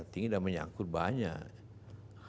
tinggi dan menyangkut banyak